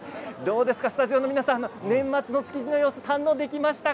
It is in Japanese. スタジオの皆さん年末の築地の様子堪能できましたか？